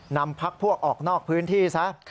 นำพักพวกออกนอกพื้นที่ซะ